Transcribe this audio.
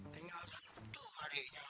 tinggalkan satu adiknya